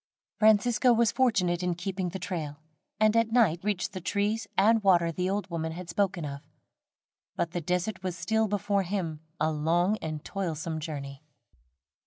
Francisco was fortunate in keeping the trail, and at night reached the trees and water the old woman had spoken of, but the desert was still before him a long and toilsome journey.